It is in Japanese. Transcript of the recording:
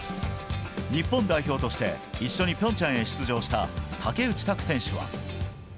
日本代表として、一緒にピョンチャンへ出場した竹内択選手は。